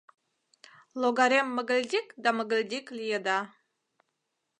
Логарем мыгыльдик да мыгыльдик лиеда.